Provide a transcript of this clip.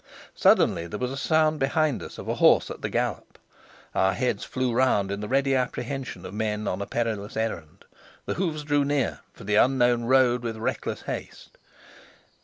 Suddenly there was a sound behind us of a horse at the gallop. Our heads flew round in the ready apprehension of men on a perilous errand. The hoofs drew near, for the unknown rode with reckless haste.